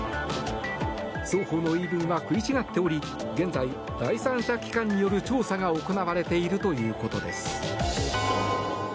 双方の言い分は食い違っており現在、第三者機関による調査が行われているということです。